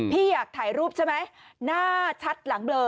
พี่อยากถ่ายรูปใช่ไหมหน้าชัดหลังเบลอ